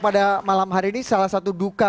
pada malam hari ini salah satu duka